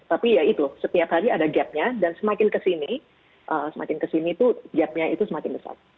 tapi ya itu setiap hari ada gapnya dan semakin ke sini gapnya itu semakin besar